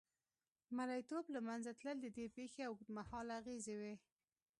مریتوب له منځه تلل د دې پېښې اوږدمهاله اغېزې وې.